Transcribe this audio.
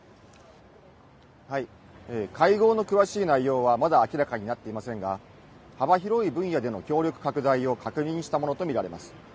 会合の詳しい内容はまだ明らかになっていませんが、幅広い分野での協力拡大を確認したものと見られます。